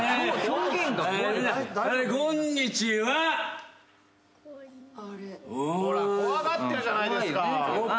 ほら怖がってるじゃないですか。